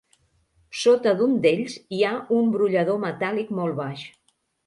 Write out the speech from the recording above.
Sota d'un d'ells hi ha un brollador metàl·lic molt baix.